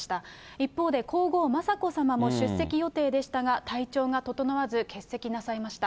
一方で皇后雅子さまも出席予定でしたが、体調が整わず欠席なさいました。